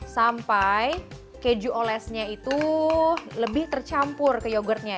sampai keju olesnya itu lebih tercampur ke yogurtnya